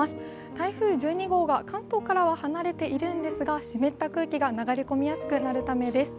台風１２号が関東からは離れているんですが、湿った空気が流れ込みやすくなるためです。